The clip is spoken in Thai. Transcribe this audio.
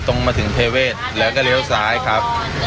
ตรงมาถึงเทเวศแล้วก็เลี้ยวซ้ายครับ